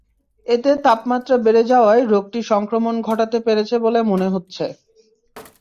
এতে তাপমাত্রা বেড়ে যাওয়ায় রোগটি সংক্রমণ ঘটাতে পেরেছে বলে মনে হচ্ছে।